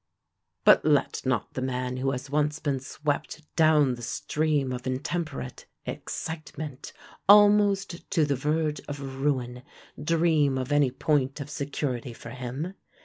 But let not the man who has once been swept down the stream of intemperate excitement, almost to the verge of ruin, dream of any point of security for him.